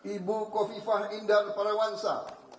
ibu kofifah indar parawansa